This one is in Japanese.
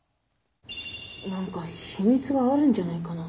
なんかヒミツがあるんじゃないかな？